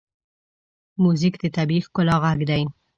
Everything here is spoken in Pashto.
موزیک د طبیعي ښکلا غږ دی.